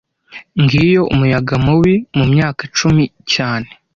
Ngiyo umuyaga mubi mumyaka icumi cyane